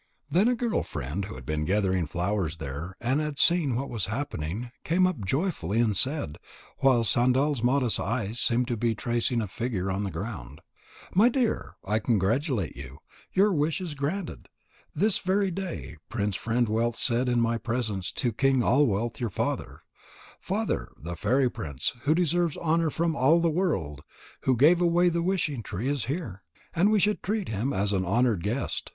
Then a girl friend who had been gathering flowers there and had seen what was happening, came up joyfully and said, while Sandal's modest eyes seemed to be tracing a figure on the ground: "My dear, I congratulate you. Your wish is granted. This very day Prince Friend wealth said in my presence to King All wealth, your father: Father, the fairy prince, who deserves honour from all the world, who gave away the wishing tree, is here, and we should treat him as an honoured guest.